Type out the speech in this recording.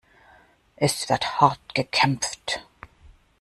Es wird hart gekämpft.